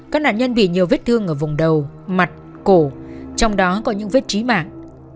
các nạn nhân bị nhiều vết thương ở vùng đầu mặt cổ trong đó có những vết trí mạng